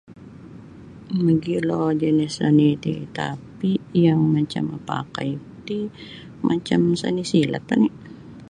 Magilo jenis seni ti tapi yang macam mapakai ku ti macam seni silat oni.